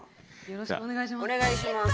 よろしくお願いします。